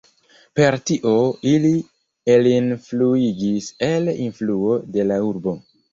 Per tio ili elinfluigis el influo de la urbo.